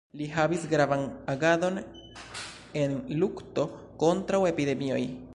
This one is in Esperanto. Li havis gravan agadon en lukto kontraŭ epidemioj.